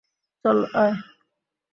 চল, আয়!